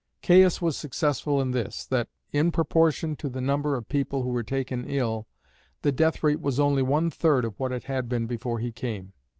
Caius was successful in this, that, in proportion to the number of people who were taken ill, the death rate was only one third of what it had been before he came.